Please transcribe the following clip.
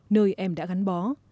nơi em đã gắn bó